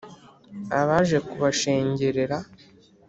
Abaje kubashengerera